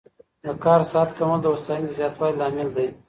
د کار ساعت کمول د هوساینې زیاتوالي لامل دی.